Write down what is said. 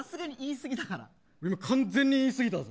完全に言い過ぎただろ。